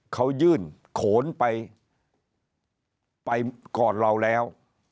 เขายื่นโขนไปก่อนเราแล้ว